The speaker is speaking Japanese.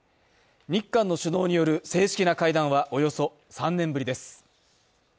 日韓の首脳による正式な会談は、およそ３年ぶりです。